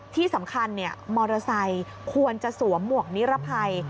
ที่สำคัญมอเตอร์ไซค์ควรจะสวมหมวกนิรภัย